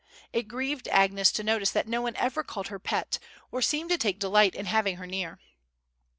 It grieved Agnes to notice that no one ever called her "pet," or seemed to take delight in having her near.